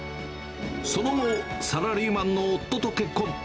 その後、サラリーマンの夫と結婚。